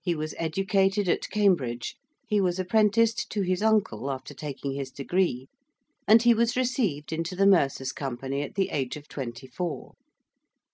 He was educated at Cambridge: he was apprenticed to his uncle after taking his degree: and he was received into the Mercers' Company at the age of twenty four.